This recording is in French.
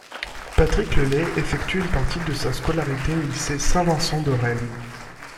Patrick Le Lay effectue une partie de sa scolarité au lycée Saint-Vincent de Rennes.